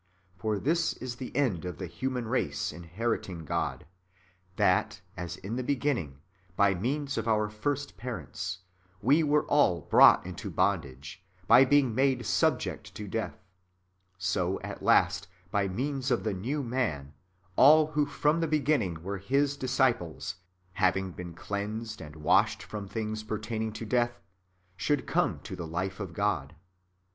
^ For this is the end of the human race inheriting God ; that as in the beginning, by means of our first [parents], we were all brought into bondage, by being made subject to death ; so at last, by means of the New ^lan, all who from the begin ning [were His] disciples, having been cleansed and washed from things pertaining to death, should come to the life of God.